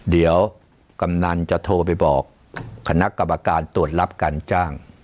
เดี๋ยวกำนันจะโทรไปบอกคณะกรรมการตรวจรับการจ้าง